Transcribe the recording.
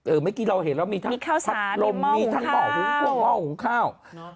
เออเมื่อกี้เราเห็นแล้วมีทั้งมีข้าวสารมีเมาหูข้าว